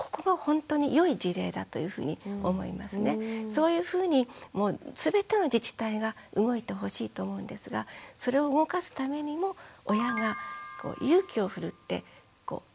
そういうふうにもう全ての自治体が動いてほしいと思うんですがそれを動かすためにも親が勇気をふるってＳＯＳを発する。